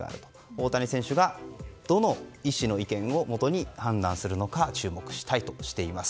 大谷選手がどの医師の意見をもとに判断するのか注目したいとしています。